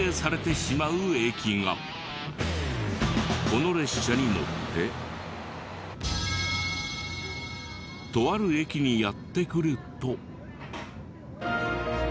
この列車に乗ってとある駅にやって来ると。